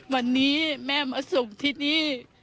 วันนี้แม่มาส่งที่นี่